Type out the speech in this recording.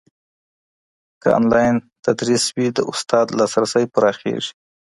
که انلاین تدریس وي، د استاد لاسرسی پراخېږي.